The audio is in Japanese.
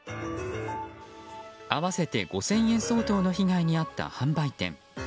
合わせて５０００円相当の被害に遭った販売店。